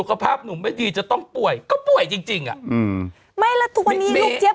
ลุงก่อนลุกเจี๊ยบ